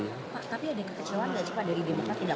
tapi ada kekecewaan dari demokrat tidak